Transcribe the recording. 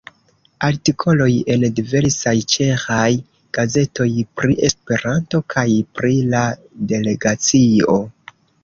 Artikoloj en diversaj ĉeĥaj gazetoj pri Esperanto kaj pri la Delegacio.